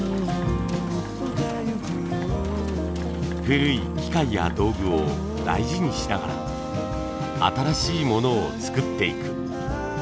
古い機械や道具を大事にしながら新しいものを作っていく。